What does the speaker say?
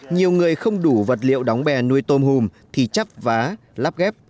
nhiều người không đủ vật liệu đóng bè nuôi tôm hùm thì chấp vá lắp ghép